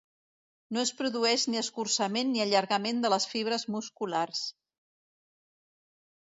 No es produeix ni escurçament ni allargament de les fibres musculars.